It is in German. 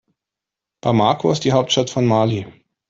Bamako ist die Hauptstadt von Mali.